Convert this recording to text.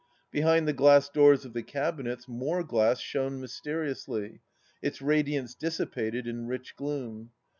Behind the glass doors of the cabinets more glass shone mysteriously, its radiance dissipated in rich gloom.